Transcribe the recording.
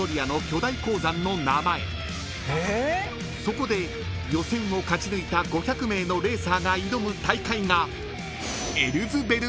［そこで予選を勝ち抜いた５００名のレーサーが挑む大会が］